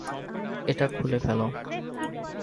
এটা খুলে ফেলো।